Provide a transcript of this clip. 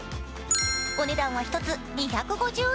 お値段は１つ２５０円。